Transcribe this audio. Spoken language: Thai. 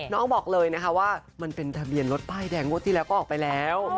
น้องบอกเลยนะคะว่ามันเป็นทะเบียนรถป้ายแดงงวดที่แล้วก็ออกไปแล้ว